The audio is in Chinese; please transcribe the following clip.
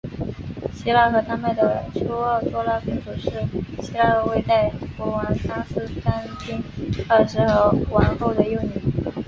希腊和丹麦的狄奥多拉公主是希腊未代国王康斯坦丁二世和王后的幼女。